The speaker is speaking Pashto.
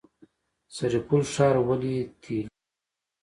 سرپل ښار ولې تیلي دی؟